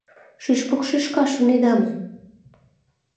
Шӱшпык шӱшка, шонеда мо?